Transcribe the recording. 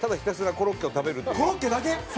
コロッケだけ？